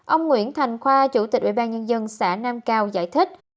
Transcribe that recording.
ông nguyễn thành khoa chủ tịch ubnd xã nam cao giải thích